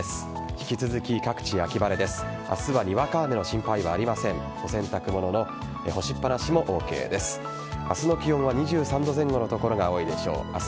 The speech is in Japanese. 引き続き、各地秋晴れです。